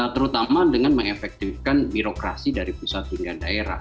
terutama dengan mengefektifkan birokrasi dari pusat hingga daerah